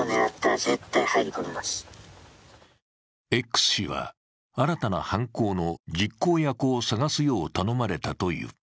Ｘ氏は新たな犯行の実行役を探すよう頼まれたという。